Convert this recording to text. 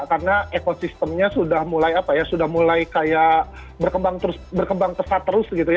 karena ekosistemnya sudah mulai apa ya sudah mulai kayak berkembang pesat terus gitu ya